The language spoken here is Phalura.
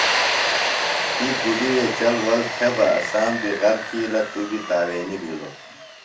تھی کُڈیۡ وے چل ول تھےۡ بہ اسام بیۡ غر تِھیلہ توۡ بیۡ تاوینیۡ بِھلوۡ۔